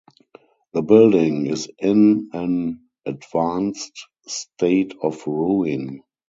The building is in an advanced state of ruin.